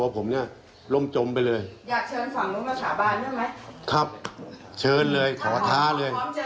พร้อมเจอกันทั้งสองฝ่ายครับ